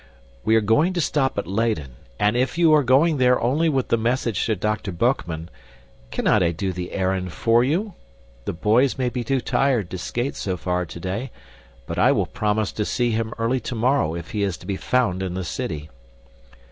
"We are going to stop at Leyden, and if you are going there only with a message to Dr. Boekman, cannot I do the errand for you? The boys may be too tired to skate so far today, but I will promise to see him early tomorrow if he is to be found in the city."